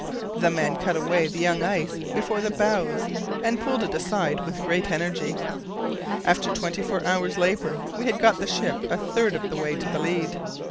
The men cut away the young ice before the bows and pulled it aside with great energy. After twenty four hours' labour we had got the ship a third of the way to the lead.